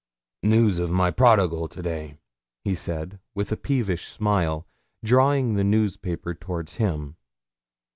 'News of my prodigal to day,' he said, with a peevish smile, drawing the newspaper towards him.